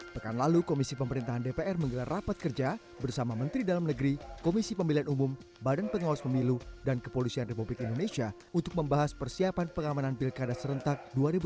pekan lalu komisi pemerintahan dpr menggelar rapat kerja bersama menteri dalam negeri komisi pemilihan umum badan pengawas pemilu dan kepolisian republik indonesia untuk membahas persiapan pengamanan pilkada serentak dua ribu delapan belas